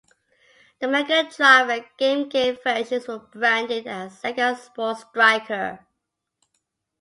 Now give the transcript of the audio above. The Mega Drive and Game Gear versions were branded as "Sega Sports Striker".